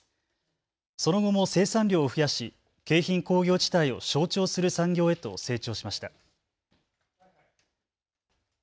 その後も生産量を増やし京浜工業地帯を象徴する産業へと成長しました。